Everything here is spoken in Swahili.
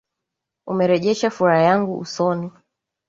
Umerejesha na furaha yangu usoni.